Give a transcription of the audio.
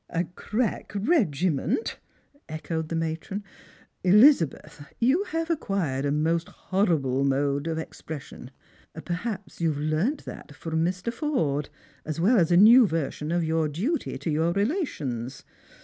" A crack regiment !" echoed the matron. "Elizabeth, yon have acquired a most horrible mode of expression. Perhaps you have learnt that from Mr. Forde, as well as a new version of your duty to your relations.